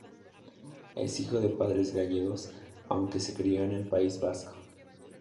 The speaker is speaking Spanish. Es hijo de padres gallegos, aunque se crio en el País Vasco.